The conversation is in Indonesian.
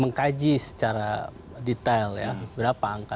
mengkaji secara detail ya berapa angka